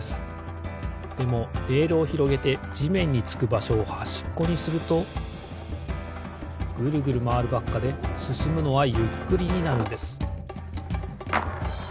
でもレールをひろげてじめんにつくばしょをはしっこにするとグルグルまわるばっかですすむのはゆっくりになるんです。